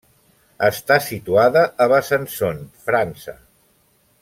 Està situada a Besançon, França.